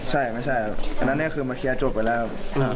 ใช่ไม่ใช่อันนั้นเนี่ยคือมาเคลียร์จบไปแล้วครับ